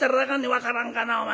分からんかなお前。